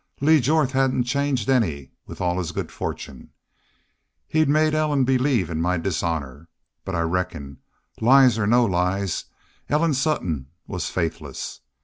Lee Jorth hadn't changed any with all his good fortune. He'd made Ellen believe in my dishonor. But, I reckon, lies or no lies, Ellen Sutton was faithless.